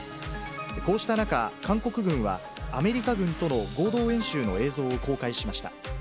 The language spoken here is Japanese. こうした中、韓国軍は、アメリカ軍との合同演習の映像を公開しました。